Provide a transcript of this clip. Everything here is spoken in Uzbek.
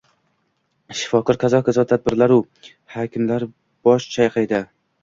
Shifokorlar, kazo-kazo tabiblaru hakimlar bosh chayqaydi.